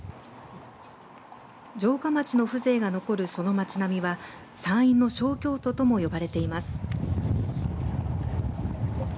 城下町の風情が残るその町並みは山陰の小京都とも呼ばれています。